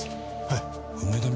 はい。